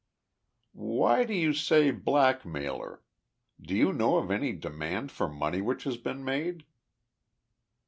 "Why do you say blackmailer? Do you know of any demand for money which has been made?"